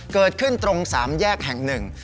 เกิดขึ้นตรงสามแยกแห่งหนึ่ง